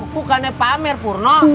bukannya pamer purno